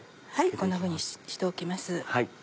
こんなふうにしておきます。